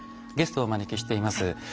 ゲストをお招きしています。